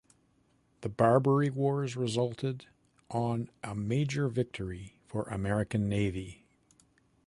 The Barbary Wars resulted on a major victory for American Navy.